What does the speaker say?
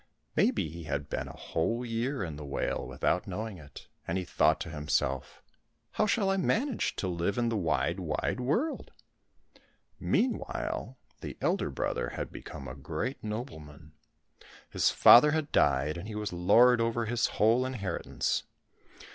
Maybe he had been a whole year in the whale without knowing it, and he thought to himself, " How shall I now manage to live in the wide, wide world ?" Meanwhile the elder brother had become a great nobleman. His father had died, and he was lord over his whole inheritance.